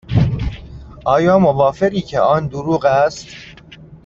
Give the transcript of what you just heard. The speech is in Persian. آیا موافقی که آن دروغ است؟